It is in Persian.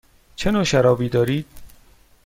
چه نوع شرابی دارید؟